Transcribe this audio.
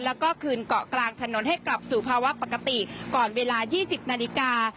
แล้วก็คืนเกาะกลางถนนให้กลับสู่ภาวะปกติก่อนเวลา๒๐นาฬิกา